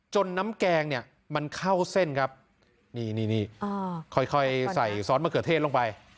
น้ำแกงเนี่ยมันเข้าเส้นครับนี่นี่ค่อยใส่ซอสมะเขือเทศลงไป